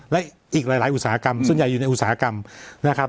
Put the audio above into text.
และอีกหลายอุตสาหกรรมส่วนใหญ่อยู่ในอุตสาหกรรมนะครับ